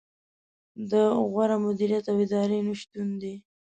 د غوره مدیریت او ادارې نه شتون دی.